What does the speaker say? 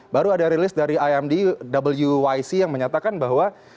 baru ada rilis dari imd wyc yang menyatakan bahwa